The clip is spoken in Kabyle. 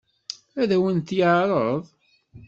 Ad awen-t-yeɛṛeḍ?